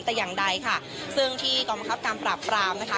แต่อย่างใดค่ะซึ่งที่กองบังคับการปราบปรามนะคะ